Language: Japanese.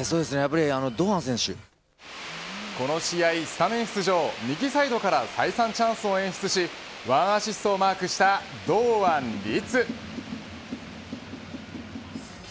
この試合スタメン出場右サイドから再三チャンスを演出し１アシストをマークした堂安律。